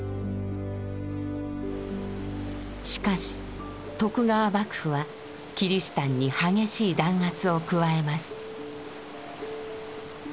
しかし徳川幕府はキリシタンに激しい弾圧を加えます。